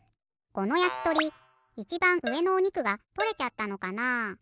このやきとりいちばんうえのおにくがとれちゃったのかな？